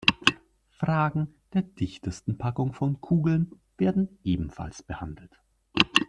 Fragen der dichtesten Packung von Kugeln werden ebenfalls behandelt.